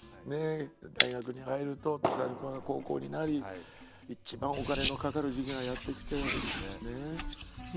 大学に入ると下の子が高校になり一番お金のかかる時期がやって来てね。